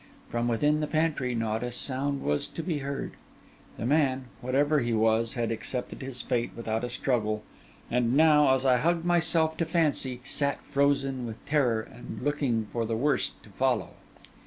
From within the pantry not a sound was to be heard; the man, whatever he was, had accepted his fate without a struggle, and now, as I hugged myself to fancy, sat frozen with terror and looking for the worst to follow.